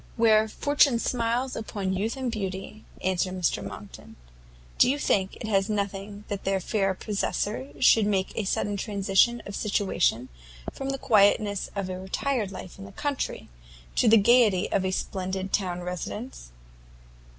"Where fortune smiles upon youth and beauty," answered Mr Monckton, "do you think it nothing that their fair possessor should make a sudden transition of situation from the quietness of a retired life in the country, to the gaiety of a splendid town residence?"